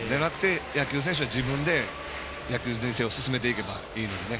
野球選手は自分で野球人生を進めていけばいいのでね。